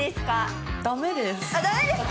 ダメです。